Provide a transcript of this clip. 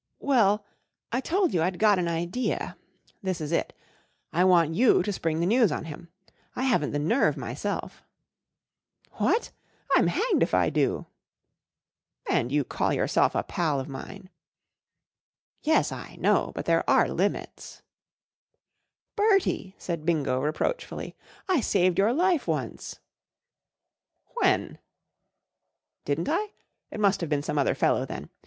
" Well, I told you I'd got an idea* This is it, I want you to spring the news on him. I haven't the nerve myself/' " What E I'm hanged if I do !"' And you call your¬ self a pal of mine !" "Yes, I know; but there are limits/ 1 11 Bertie/ J said Bingo, reproachfully, " I saved your life once/ 1 1 When ?"" Didn't I ? It must have been some other fellow, then.